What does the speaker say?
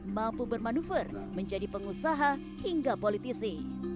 mampu bermanuver menjadi pengusaha hingga politisi